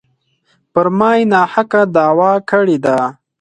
پر ما یې ناحقه دعوه کړې ده.